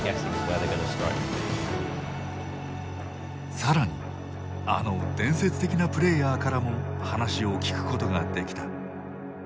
さらにあの伝説的なプレーヤーからも話を聞くことができた。